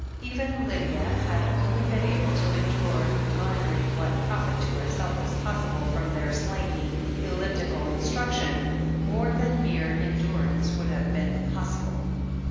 Even Lydia had only been able to endure, garnering what profit to herself was possible from their slangy, elliptical instruction — ^more than mere endur ance would have been impossible.